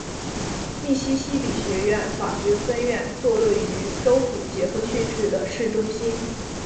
密西西比学院法学分院坐落于州府杰克逊市的市中心。